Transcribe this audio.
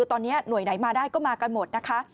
ตอนนี้หน่วยไหนมาได้ก็มากันหมดนะคะ